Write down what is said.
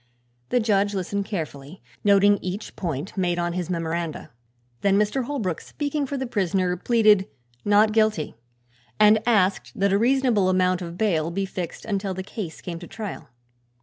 The judge listened carefully, noting each point made on his memoranda. Then Mr. Holbrook, speaking for the prisoner, pleaded "not guilty" and asked that a reasonable amount of bail be fixed until the case came to trial.